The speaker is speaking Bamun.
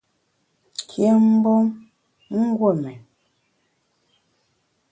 Kyém mgbom !guon mén.